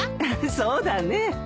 そうだねえ。